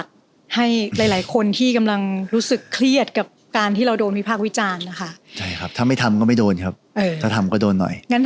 เป้กำลังอ่านข้อความที่คนด่า